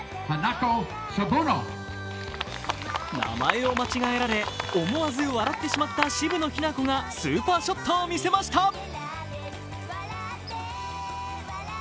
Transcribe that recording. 名前を間違えられ、思わず笑ってしまった渋野日向子がスーパーショットを見せました。